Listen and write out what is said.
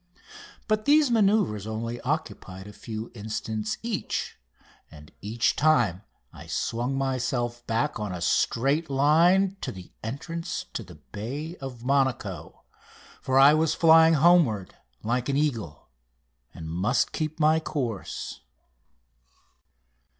But these manoeuvres only occupied a few instants each, and each time I swung myself back on a straight line to the entrance to the bay of Monaco, for I was flying homeward like an eagle, and must keep my course.